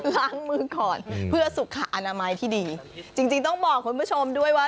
ล้างมือก่อนเพื่อสุขอนามัยที่ดีจริงจริงต้องบอกคุณผู้ชมด้วยว่า